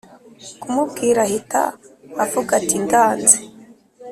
kumubwira ahita avuga ati ndanze.